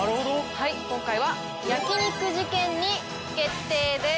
はい今回は焼き肉事件に決定です。